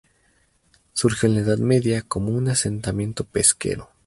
Surgió en la Edad Media como un asentamiento pesquero.